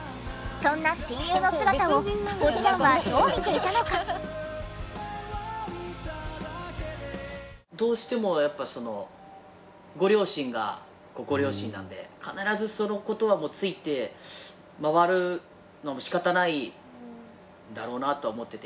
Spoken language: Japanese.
そんな親友の姿をどうしてもやっぱそのご両親がご両親なので必ずその事が付いてまわるのも仕方ないんだろうなとは思ってて。